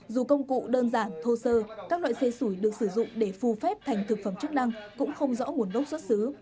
dù công cụ đơn giản thô sơ các loại xe sủi được sử dụng để phù phép thành thực phẩm chức năng cũng không rõ nguồn gốc xuất xứ